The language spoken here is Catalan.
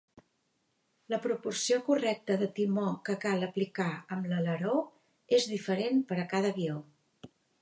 La proporció correcta de timó que cal aplicar amb l'aleró és diferent per a cada avió.